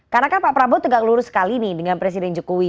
karena kan pak prabowo tegak lurus sekali nih dengan presiden jokowi